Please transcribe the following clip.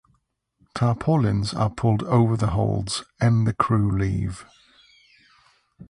Tarpaulins are pulled over the holds and the crew leave.